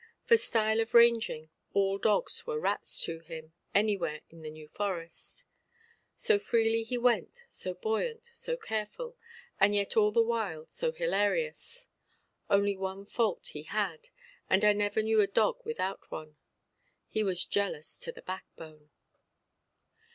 For style of ranging, all dogs were rats to him, anywhere in the New Forest; so freely he went, so buoyant, so careful, and yet all the while so hilarious. Only one fault he had, and I never knew dog without one; he was jealous to the backbone.